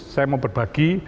saya mau berbagi